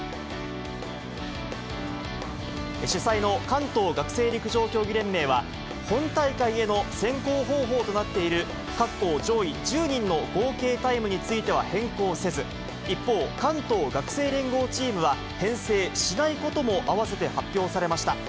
主催の関東学生陸上競技連盟は、本大会への選考方法となっている各校上位１０人の合計タイムについては変更せず、一方、関東学生連合チームは編成しないことも、併せて発表されました。